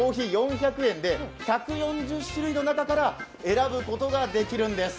１４０種類の中から選ぶことができるんです。